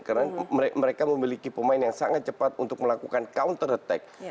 karena mereka memiliki pemain yang sangat cepat untuk melakukan counter attack